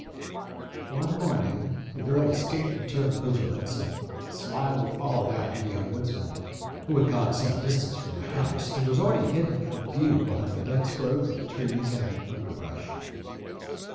One morning the girl escaped maternal vigilance, and slyly followed after the young wood man, who had gone some distance from the house, and was already hidden from view behind the dense growth of trees and underbrush.